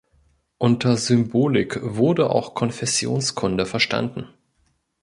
Unter Symbolik wurde auch Konfessionskunde verstanden.